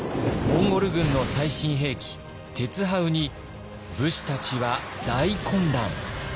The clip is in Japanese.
モンゴル軍の最新兵器「てつはう」に武士たちは大混乱。